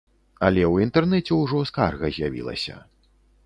Але ў інтэрнэце ўжо скарга з'явілася.